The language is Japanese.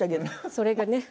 それがね